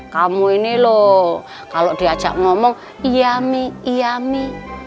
kamu ini loh kalau diajak ngomong iya mi iya mi